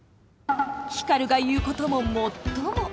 光が言うことももっとも。